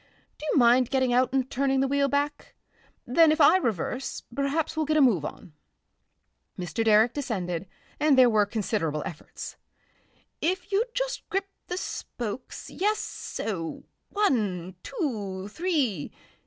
Do you mind getting out and turning the wheel back? Then if I reverse, perhaps we'll get a move on...." Mr. Direck descended, and there were considerable efforts. "If you'd just grip the spokes. Yes, so.... One, Two, Three!...